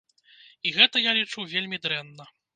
І гэта, я лічу, вельмі дрэнна.